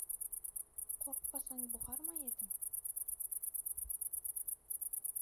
Қорықпасаң, бұғар ма едің?